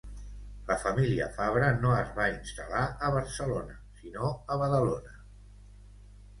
La família Fabra no es va instal·lar a Barcelona, sinó a Badalona.